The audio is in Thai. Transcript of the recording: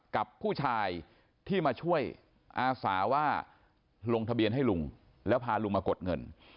กับผู้ชายที่มาช่วยอาสาว่าลงทะเบียนให้ลุงแล้วพาลุงมากดเงิน